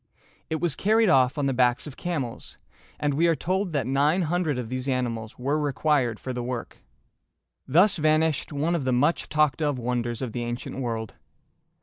It was carried off on the backs of camels, and we are told that nine hundred of these animals were required for the work. Thus vanished one of the much talked of wonders of the ancient world.